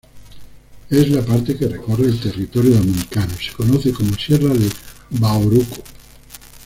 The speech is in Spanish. Es la parte que recorre el territorio Dominicano, se conoce como Sierra de Bahoruco.